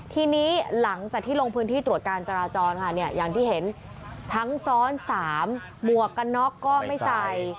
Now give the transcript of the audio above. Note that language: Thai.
ทีนี้หลังจากที่ลงพื้นที่ตรวจการจราจรค่ะเนี่ยอย่างที่เห็นทั้งซ้อน๓หมวกกันน็อกก็ไม่ใส่